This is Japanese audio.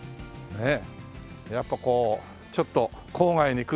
ねえ。